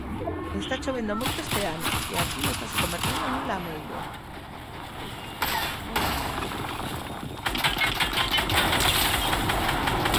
Está chovendo moito este ano, e aquilo estase convertendo nun lameiro.